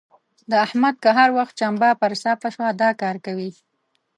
د احمد که هر وخت چمبه پر صافه سوه؛ دا کار کوي.